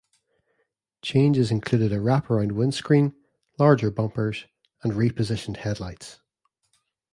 Changes included a wraparound windscreen, larger bumpers, and repositioned headlights.